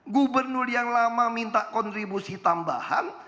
gubernur yang lama minta kontribusi tambahan